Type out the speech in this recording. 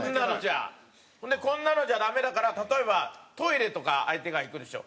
こんなのじゃダメだから例えばトイレとか相手が行くでしょ？